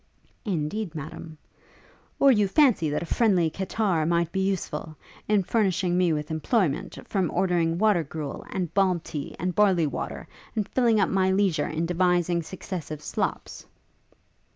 'Indeed, Madam,' 'Or, you may fancy that a friendly catarrh might be useful, in furnishing me with employment, from ordering water gruel, and balm tea, and barley water, and filling up my leisure in devising successive slops?'